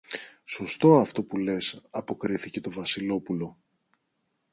Σωστό αυτό που λες, αποκρίθηκε το Βασιλόπουλο.